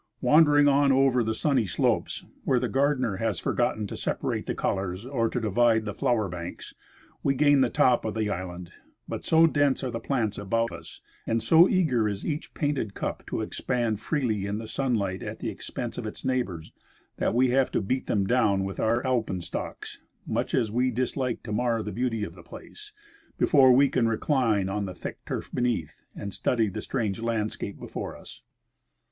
Wandering on over the sunny slopes, where the gardener has forgotten to separate the colors or to divide the flower banks, we gain the top of the island ; but. so dense are the plants about us, and so eager is each painted cup to expand freely in the sunlight at the expense of its neighbors, that we have to beat them down with our alpen stocks — much as we dislike to mar the beauty of the place — before we can recline on the thick turf beneath and study the strange landscape before us.